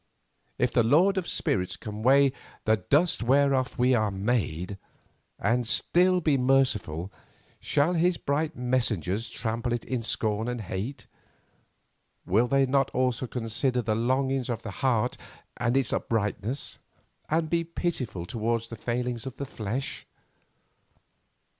If the Lord of spirits can weigh the "dust whereof we are made" and still be merciful, shall his bright messengers trample it in scorn and hate? Will they not also consider the longings of the heart and its uprightness, and be pitiful towards the failings of the flesh?